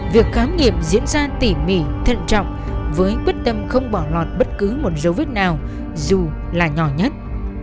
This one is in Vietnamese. việc khám nghiệm diễn ra tỉ mỉ thận trọng với quyết tâm không bỏ lọt bất cứ một dấu vết nào dù là nhỏ nhất